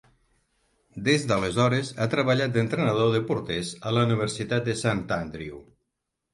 Des d'aleshores ha treballat d'entrenador de porters a la Universitat de Saint Andrew.